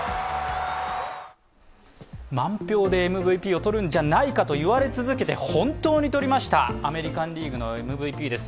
満票でＭＶＰをとるんじゃないかと言われ続けて、本当にとりました、アメリカンリーグのＭＶＰです。